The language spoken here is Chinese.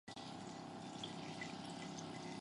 蓝钦毕业于普林斯顿大学土木工程系。